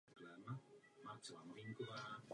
Zajímal se také o letectví.